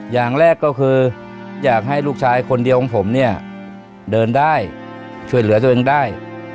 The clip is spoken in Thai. อย่างแรกก็คืออยากให้ลูกชายคนเดียวของผมเนี่ยเดินได้ช่วยเหลือตัวเองได้